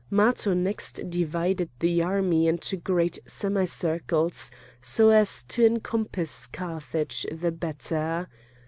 Matho next divided the army into great semicircles so as to encompass Carthage the better.